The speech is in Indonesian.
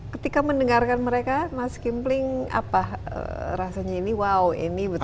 ketika mendengarkan mereka mas skinpling rasanya ini wow ini betul betul